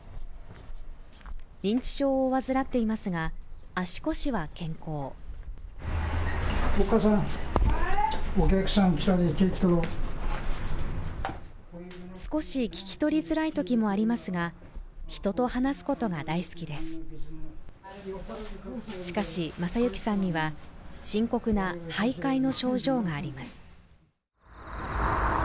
認知症を患っていますが足腰は健康少し聞き取りづらいときもありますが人と話すことが大好きですしかし正行さんには深刻な徘徊の症状があります